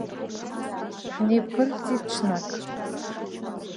Ҳнеиԥырҵит ҽнак.